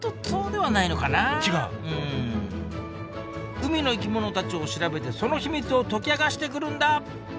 海の生き物たちを調べてその秘密を解き明かしてくるんだ！